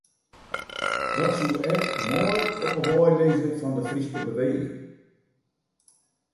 Dat soe ek mei op ’e wei lizze fan de Fryske Beweging.